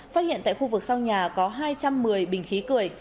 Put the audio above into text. phát hiện tại khu vực sau nhà có hai trăm một mươi bình khí cười